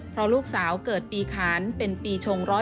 เพราะลูกสาวเกิดปีขานเป็นปีชง๑๐